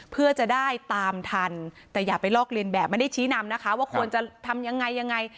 เพื่อจะได้ตามทันแต่อย่าไปลอกเรียนแบบไม่ได้ชี้นำนะคะว่าควรจะทำยังไงยังไง